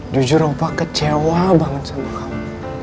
jujur opa kecewa banget sama kamu